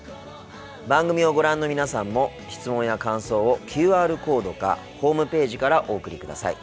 番組をご覧の皆さんも質問や感想をＱＲコードかホームページからお送りください。